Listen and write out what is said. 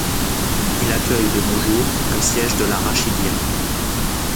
Il accueille de nos jours le siège de la Rachidia.